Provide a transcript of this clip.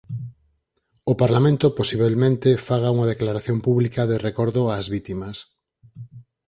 O parlamento posibelmente faga unha declaración pública de recordo ás vítimas.